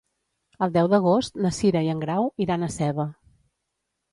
El deu d'agost na Cira i en Grau iran a Seva.